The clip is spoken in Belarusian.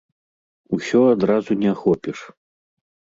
Усё адразу не ахопіш.